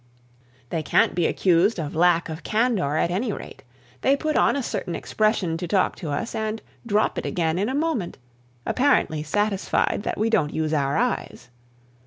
They can't be accused of lack of candor at any rate. They put on a certain expression to talk to us, and drop it again in a moment, apparently satisfied that we don't use our eyes.